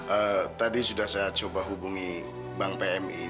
eee tadi sudah saya coba hubungi bank pmi